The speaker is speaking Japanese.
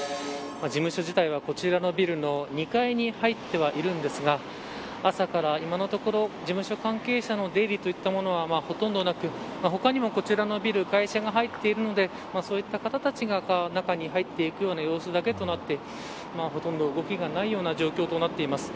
事務所自体は、こちらのビルの２階に入ってはいるんですが朝から今のところ事務所関係者の出入りといったものはほとんどなく他にもこちらのビル会社が入っているのでそういった方たちが中に入っていく様子だけとなってほとんど動きがないような状況となっています。